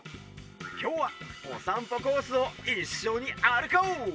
きょうはおさんぽコースをいっしょにあるこう！